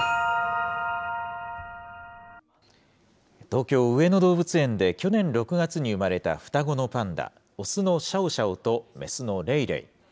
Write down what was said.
東京・上野動物園で去年６月に生まれた双子のパンダ、雄のシャオシャオと雌のレイレイ。